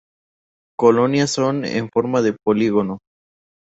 Colonias son en forma de polígono.